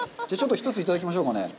一つ、いただきましょうかね。